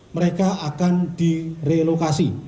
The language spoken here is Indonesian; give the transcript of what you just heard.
mereka akan direlokasi